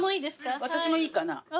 私もいいかな？